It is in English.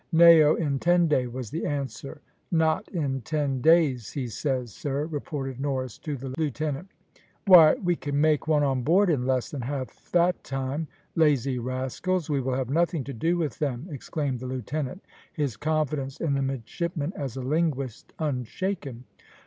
"Nao intende," was the answer. "`Not in ten days,' he says, sir," reported Norris to the lieutenant. "Why, we can make one on board in less than half that time. Lazy rascals, we will have nothing to do with them," exclaimed the lieutenant, his confidence in the midshipman as a linguist unshaken.